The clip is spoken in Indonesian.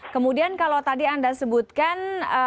kemudian kalau tadi anda sebutkan